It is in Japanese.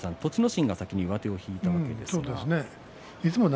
心が先に上手を引いたわけですが。